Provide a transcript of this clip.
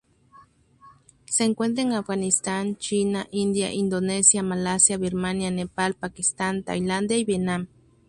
Se encuentra en Afganistán, China, India, Indonesia, Malasia, Birmania, Nepal, Pakistán, Tailandia y Vietnam.